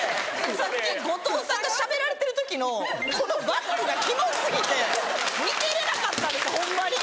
さっき後藤さんがしゃべられてる時のこのバックがキモ過ぎて見てれなかったんですホンマに。